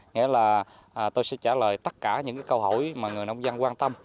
nghĩa là tôi sẽ trả lời tất cả những câu hỏi mà người nông dân quan tâm